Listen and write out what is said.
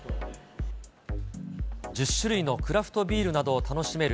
１０種類のクラフトビールなどを楽しめる